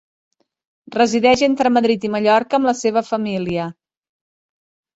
Resideix entre Madrid i Mallorca amb la seva família.